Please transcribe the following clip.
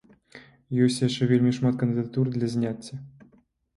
Ёсць яшчэ вельмі шмат кандыдатур для зняцця.